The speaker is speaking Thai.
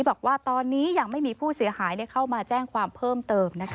บอกว่าตอนนี้ยังไม่มีผู้เสียหายเข้ามาแจ้งความเพิ่มเติมนะคะ